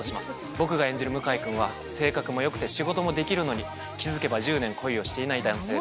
僕が演じる向井君は性格も良くて仕事もできるのに気付けば１０年恋をしていない男性です。